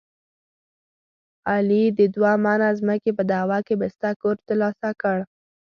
علي د دوه منه ځمکې په دعوه کې بسته کور دلاسه ورکړ.